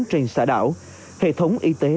trên xã đảo hệ thống y tế